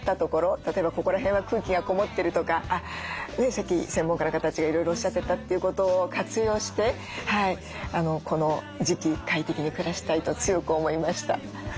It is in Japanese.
例えばここら辺は空気がこもってるとかさっき専門家の方たちがいろいろおっしゃってたということを活用してこの時期快適に暮らしたいと強く思いました。